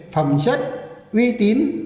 phẩm chất uy tín